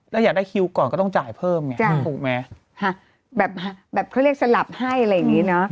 แล้วอยากได้คิวก่อนก็ต้องจ่ายเพิ่มไงถูกไหมฮะแบบแบบเขาเรียกสลับให้อะไรอย่างงี้เนอะ